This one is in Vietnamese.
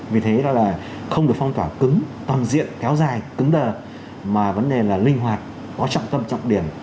vì thế đó là không được phong tỏa cứng toàn diện kéo dài cứng đờ mà vấn đề là linh hoạt có trọng tâm trọng điểm